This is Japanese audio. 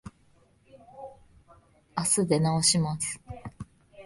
あす出直します。